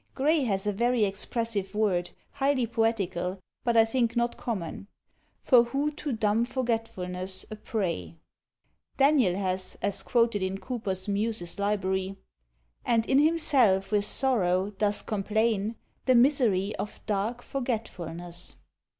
Gray has a very expressive word, highly poetical, but I think not common: FOR WHO TO DUMB FORGETFULNESS a prey Daniel has, as quoted in Cooper's Muses' Library, And in himself with sorrow, does complain The misery of DARK FORGETFULNESS.